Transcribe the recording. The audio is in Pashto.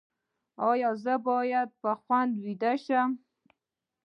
ایا زه باید په خونه کې ویده شم؟